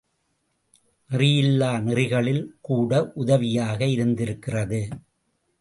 நெறியில்லா நெறிகளில்கூட உதவியாக இருந்திருக்கிறது.